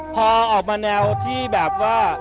พอออกมาแนวที่แบบว่า